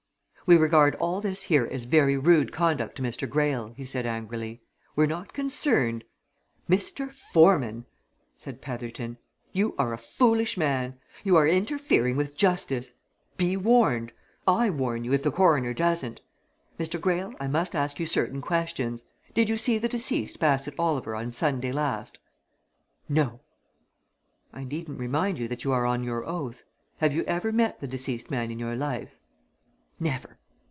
"We regard all this here as very rude conduct to Mr. Greyle," he said angrily. "We're not concerned " "Mr. Foreman!" said Petherton. "You are a foolish man you are interfering with justice. Be warned! I warn you, if the Coroner doesn't. Mr. Greyle, I must ask you certain questions. Did you see the deceased Bassett Oliver on Sunday last?" "No!" "I needn't remind you that you are on your oath. Have you ever met the deceased man in your life?" "Never!"